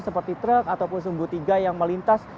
seperti truk ataupun sumbu tiga yang melintas